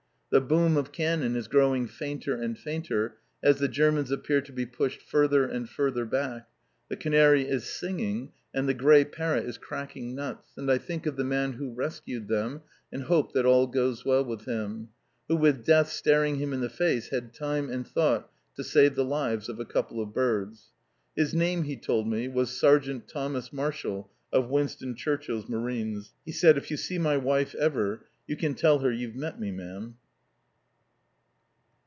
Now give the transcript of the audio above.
The boom of cannon is growing fainter and fainter as the Germans appear to be pushed further and further back; the canary is singing, and the grey parrot is cracking nuts; and I think of the man who rescued them, and hope that all goes well with him, who, with death staring him in the face, had time and thought to save the lives of a couple of birds. His name he told me was Sergeant Thomas Marshall of Winston Churchill's Marines. He said: "If you see my wife ever, you can tell her you've met me, ma'am."